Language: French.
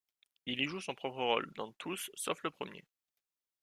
Il y joue son propre rôle dans tous sauf le premier.